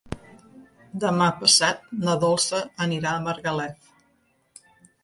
Demà passat na Dolça anirà a Margalef.